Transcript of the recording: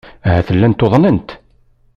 Ahat llant uḍnent.